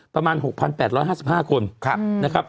ประมาณ๖๘๕๕คนนะครับ